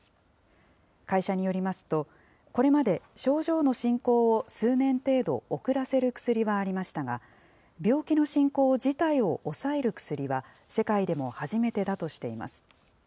会社によりますと、これまで症状の進行を数年程度遅らせる薬はありましたが、病気の進行自体を抑える薬は、世界でも初めてだとしています。